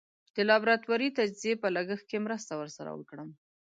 د لابراتواري تجزیې په لګښت کې مرسته ور سره وکړم.